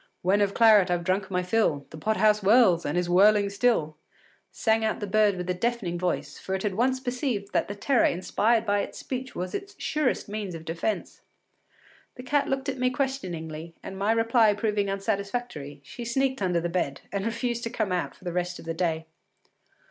” “When of claret I’ve drunk my fill, The pot house whirls and is whirling still,” sang out the bird with a deafening voice, for it had at once perceived that the terror inspired by its speech was its surest means of defence. The cat looked at me questioningly, and my reply proving unsatisfactory, she sneaked under the bed, and refused to come out for the rest of the day.